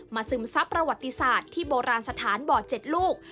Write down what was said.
ซึมซับประวัติศาสตร์ที่โบราณสถานบ่อ๗ลูก